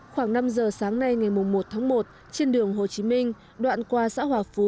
khoảng năm giờ sáng nay ngày một tháng một trên đường hồ chí minh đoạn qua xã hòa phú